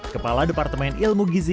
kepala departemen ilmu gizi